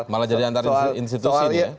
malah jadi antar institusi ini ya